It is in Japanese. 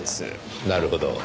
なるほど。